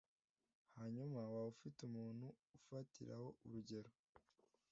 hanyuma waba ufite umuntu ufatiraho urugero,